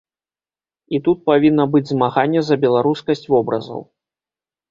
І тут павінна быць змаганне за беларускасць вобразаў.